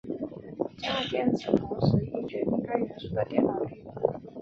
价电子同时亦决定该元素的电导率。